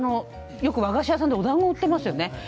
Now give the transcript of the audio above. よく和菓子屋さんでおだんご売っていますよね。